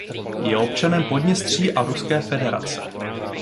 Je občanem Podněstří a Ruské federace.